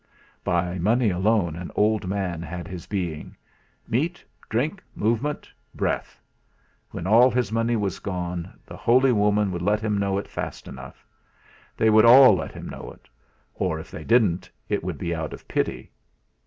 By money alone an old man had his being! Meat, drink, movement, breath! When all his money was gone the holy woman would let him know it fast enough. They would all let him know it; or if they didn't, it would be out of pity!